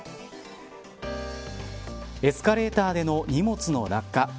エスカレーターでの荷物の落下